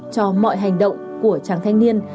cho mọi hành động của trang thanh niên